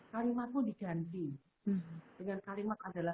kalimatmu diganti dengan kalimat adalah